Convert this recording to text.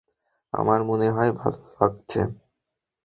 আমার মনে হয় ভালো লাগছে।